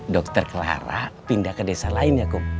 dokter clara pindah ke desa lain ya